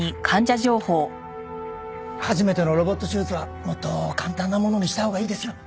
初めてのロボット手術はもっと簡単なものにしたほうがいいですよ。